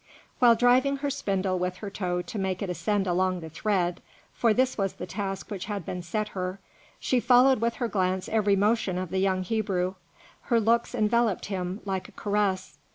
While driving her spindle with her toe to make it ascend along the thread, for this was the task which had been set her, she followed with her glance every motion of the young Hebrew, her looks enveloped him like a caress.